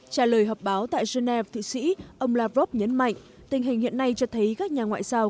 trả lời họp báo tại geneva thụy sĩ ông lavrov nhấn mạnh tình hình hiện nay cho thấy các nhà ngoại giao